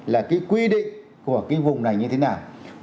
là cái quy định của cái vùng này như thế nào